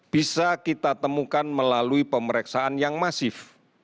bisa kita temukan melalui pemeriksaan yang masif